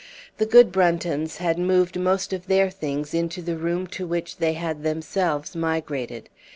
The good Bruntons had moved most of their things into the room to which they had themselves migrated.